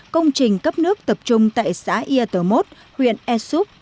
công trình cấp nước tập trung tại xã yà tờ mốt huyện e súp